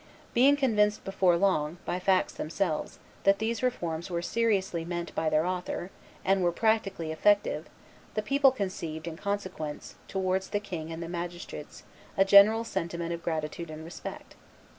Being convinced before long, by facts themselves, that these reforms were seriously meant by their author, and were practically effective, the people conceived, in consequence, towards the king and the magistrates a general sentiment of gratitude and respect.